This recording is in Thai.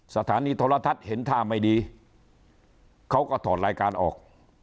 สถานีโทรทัศน์เห็นท่าไม่ดีเขาก็ถอดรายการออก